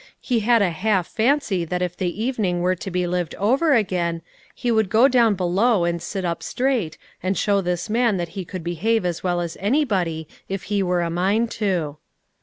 He had a half fancy that if the evening were to be lived over again, he would 260 LITTLE FISHERS: AND THEIR NETS. go down below and sit up straight and show this man that he could behave as well as anybody if he were a mind to.